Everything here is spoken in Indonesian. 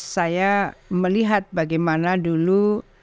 saya melihat bagaimana dulu